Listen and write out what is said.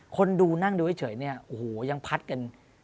คนดูนั่งดูเฉยเนี่ยโอ้โหยังพัดกัน